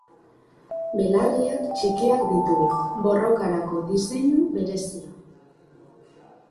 Belarriak txikiak ditu, borrokarako diseinu berezia.